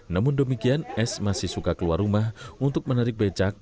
namun demikian s masih suka keluar rumah untuk menarik becak